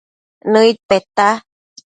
Nëid peta